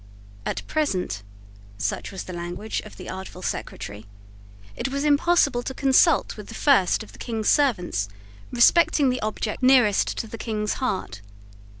At present, such was the language of the artful Secretary, it was impossible to consult with the first of the King's servants respecting the object nearest to the King's heart.